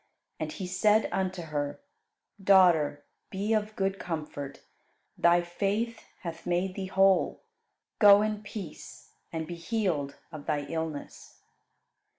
And He said unto her, "Daughter, be of good comfort; thy faith hath made thee whole. Go in peace, and be healed of thy illness."